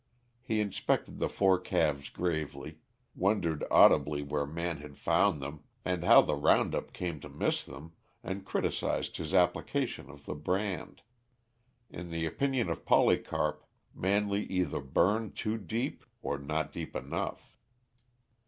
He inspected the four calves gravely, wondered audibly where Man had found them, and how the round up came to miss them, and criticized his application of the brand; in the opinion of Polycarp, Manley either burned too deep or not deep enough.